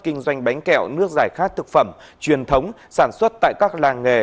kinh doanh bánh kẹo nước giải khát thực phẩm truyền thống sản xuất tại các làng nghề